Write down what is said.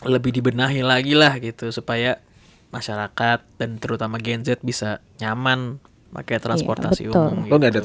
lebih dibenahi lagi lah gitu supaya masyarakat dan terutama gen z bisa nyaman pakai transportasi umum